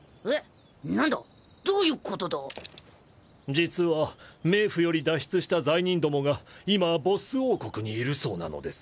実は冥府より脱出した罪人どもが今ボッス王国にいるそうなのです。